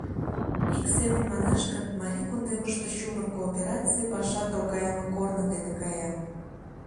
Ик семын манаш гын, Марий кундемыште чумыр коопераций паша торгайыме корно дене кая.